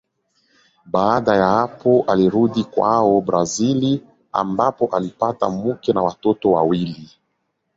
Baada ya hapo alirudi kwao Brazili ambapo alipata mke na watoto wawili.